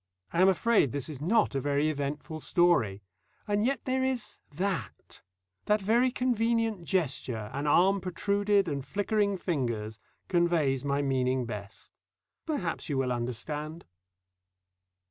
I am afraid this is not a very eventful story, and yet there is that That very convenient gesture, an arm protruded and flickering fingers, conveys my meaning best. Perhaps you will understand.